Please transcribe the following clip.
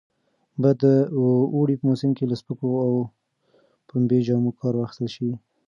باید د اوړي په موسم کې له سپکو او پنبې جامو کار واخیستل شي.